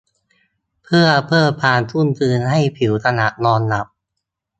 เพื่อเพิ่มความชุ่มชื้นให้ผิวขณะนอนหลับ